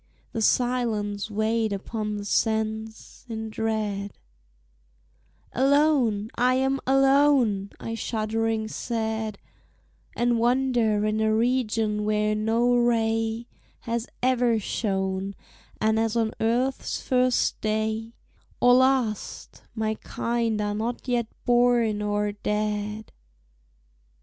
The silence weighed upon the sense; in dread, "Alone, I am alone," I shuddering said, "And wander in a region where no ray Has ever shone, and as on earth's first day Or last, my kind are not yet born or dead."